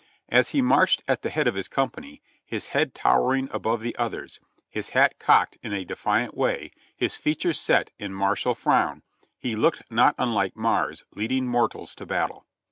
As he marched at the head of his company, his head towering above the others, his hat cocked in a defiant way, his features set in martial frown, he looked not unlike Mars leading mortals to battle.